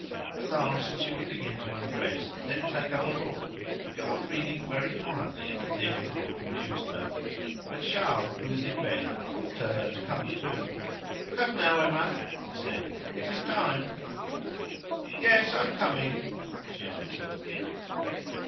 At last she would begin to undress, then take up a book, and go on reading very quietly as if the book amused her. But Charles, who was in bed, called to her to come too. "Come, now, Emma," he said, "it is time." "Yes, I am coming," she answered.